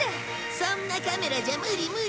そんなカメラじゃ無理無理。